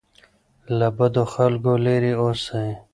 له بدو خلګو لري اوسئ.